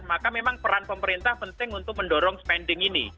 maka memang peran pemerintah penting untuk mendorong spending ini